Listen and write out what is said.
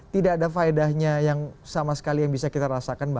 tidak ada faedahnya yang sama sekali yang bisa kita rasakan